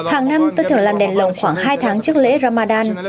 hàng năm tôi thường làm đèn lồng khoảng hai tháng trước lễ ramadan